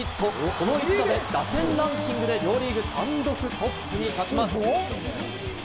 この一打で打点ランキングで両リーグ単独トップに立ちます。